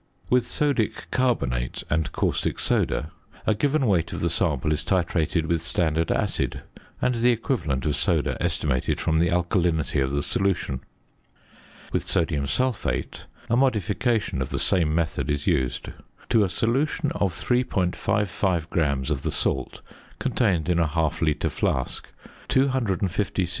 With sodic carbonate and caustic soda, a given weight of the sample is titrated with standard acid, and the equivalent of soda estimated from the alkalinity of the solution. With sodium sulphate, a modification of the same method is used. To a solution of 3.55 grams of the salt contained in a half litre flask, 250 c.c.